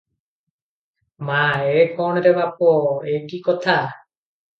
ମା - ଏ କଣ ରେ ବାପ! ଏ କି କଥା?